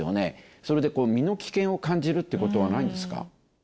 それで、身の危険を感じるってことはないんですか？